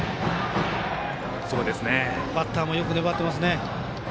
バッターもよく粘っていますね。